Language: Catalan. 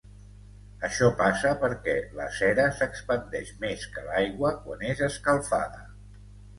Això passa perquè la cera s'expandeix més que l'aigua quan és escalfada.